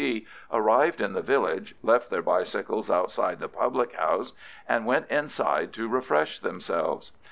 C. arrived in the village, left their bicycles outside the public house, and went inside to refresh themselves.